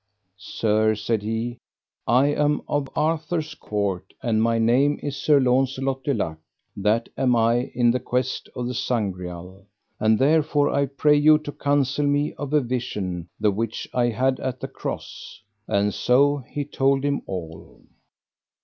Sir, said he, I am of Arthur's court, and my name is Sir Launcelot du Lake that am in the quest of the Sangreal, and therefore I pray you to counsel me of a vision the which I had at the Cross. And so he told him all.